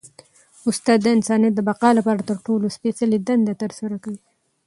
استاد د انسانیت د بقا لپاره تر ټولو سپيڅلي دنده ترسره کوي.